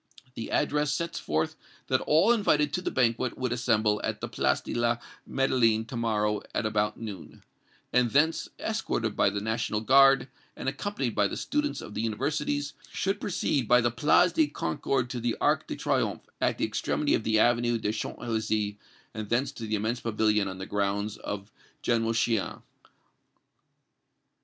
The address sets forth that all invited to the banquet would assemble at the Place de la Madeleine to morrow at about noon, and thence, escorted by the National Guard, and accompanied by the students of the universities, should proceed by the Place de la Concorde to the Arc de Triomphe, at the extremity of the Avenue des Champs Elysées, and thence to the immense pavilion on the grounds of General Shian.